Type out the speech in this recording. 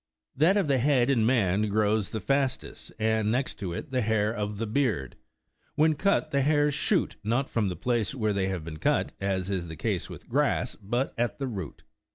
That of the head in man grows the fastest, and nest to it the hair of the beard. When cut, the hairs shoot, not from the place where they have been cut, as is the case with grass, but at the root.